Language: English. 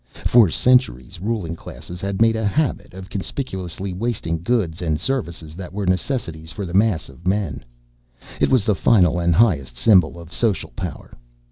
For centuries ruling classes had made a habit of conspicuously wasting goods and services that were necessities for the mass of men. It was the final and highest symbol of social power.